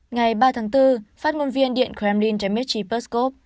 ngày ba tháng bốn phát ngôn viên điện kremlin dmitry peskov